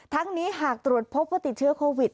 ทั้งนี้หากตรวจพบว่าติดเชื้อโควิด